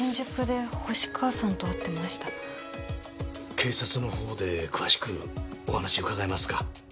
警察のほうで詳しくお話を伺えますか？